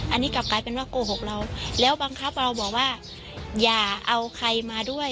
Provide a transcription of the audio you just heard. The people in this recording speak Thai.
อันนี้กลับกลายเป็นว่าโกหกเราแล้วบังคับเราบอกว่าอย่าเอาใครมาด้วย